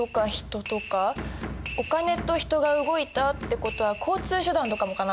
お金と人が動いたってことは交通手段とかもかな。